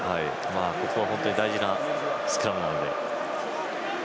ここは本当に大事なスクラムなので。